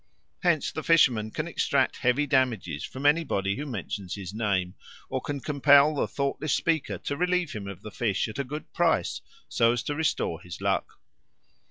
Hence the fisherman can extract heavy damages from anybody who mentions his name, or can compel the thoughtless speaker to relieve him of the fish at a good price so as to restore his luck.